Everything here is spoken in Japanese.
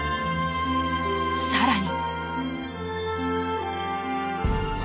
更に。